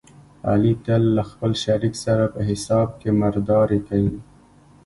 علي تل له خپل شریک سره په حساب کې مردارې کوي.